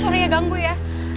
sorry ya ganggu ya